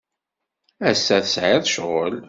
Ass-a, tesɛid ccɣel?